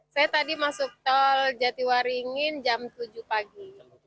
saya tadi masuk tol jatiwaringin jam tujuh pagi